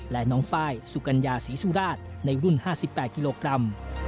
และน้องไฟล์สุกัญญาศรีสุราชในรุ่น๕๘กิโลกรัม